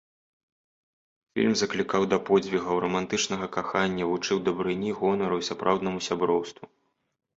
Фільм заклікаў да подзвігаў, рамантычнага кахання, вучыў дабрыні, гонару і сапраўднаму сяброўству.